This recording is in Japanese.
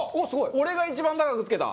俺が一番高く付けた。